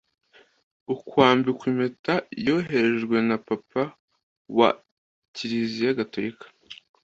ukwambikwa impeta yoherejwe na papa wa kiliziya gatolika